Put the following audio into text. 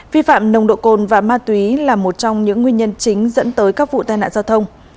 vi phạm nồng độ cồn và ma túy là một trong những nguyên nhân chính dẫn tới các vụ tai nạn giao thông